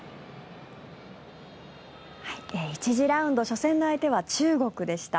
１次ラウンド初戦の相手は中国でした。